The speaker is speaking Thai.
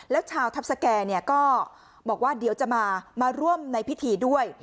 แล้วชาวทัพสแก่ก็บอกว่าเดี๋ยวจะมาร่วมในพิธีด้วย